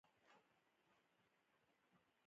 اوږده شېبه په چوپتيا کښې تېره سوه.